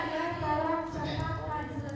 sudah cukup pak